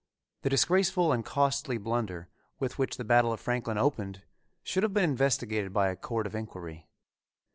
The disgraceful and costly blunder with which the Battle of Franklin opened should have been investigated by a court of inquiry.